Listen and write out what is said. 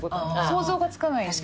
想像がつかないんです。